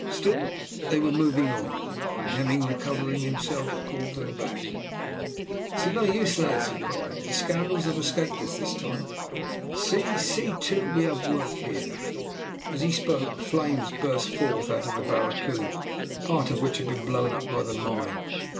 Still they were moving on, when Hemming, recovering himself, called them back. "It is of no use, lads," he cried. "The scoundrels have escaped us this time. See, see, too, we have work here," As he spoke, flames burst forth out of the barracoon, part of which had been blown up by the mine.